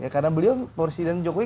karena beliau presiden jokowi